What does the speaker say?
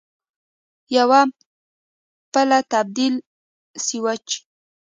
یو پله تبدیل سویچ